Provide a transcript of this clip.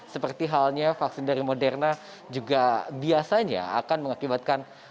seperti halnya vaksin dari moderna juga biasanya akan mengakibatkan